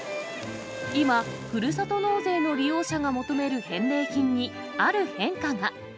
今、ふるさと納税の利用者が求める返礼品にある変化が。